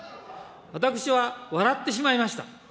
私は笑ってしまいました。